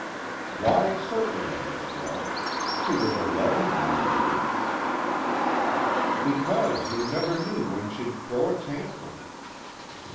"Why 'certainly,' Miss Welsh? She was eleven that year." "Because you never knew when she'd throw a tantrum."